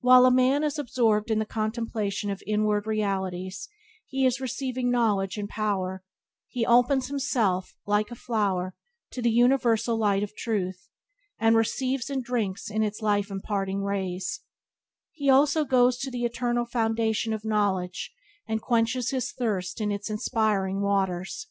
While a man is absorbed in the contemplation of inward realities he is receiving knowledge and power; he opens himself, like a flower, to the universal light of Truth, and receives and drinks in its life imparting rays; he also goes to the eternal foundation of knowledge and quenches his thirst in its inspiring waters.